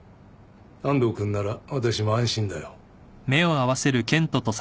安藤君なら私も安心だよ。